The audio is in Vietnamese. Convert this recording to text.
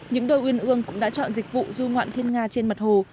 những đôi uyên ương cũng đã chọn dịch vụ du ngoạn thiên nga trên mặt hồ